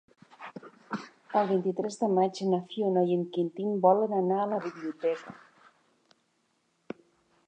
El vint-i-tres de maig na Fiona i en Quintí volen anar a la biblioteca.